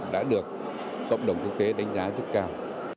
đã được cộng đồng quốc tế đánh giá rất cao